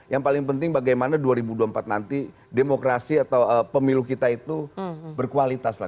yang paling penting bagaimana dua ribu dua puluh empat nanti demokrasi atau pemilu kita itu berkualitas lah